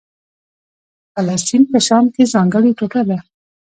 خو فلسطین په شام کې ځانګړې ټوټه ده.